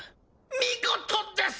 見事です！